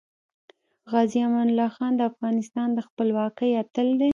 غازې امان الله خان د افغانستان د خپلواکۍ اتل دی .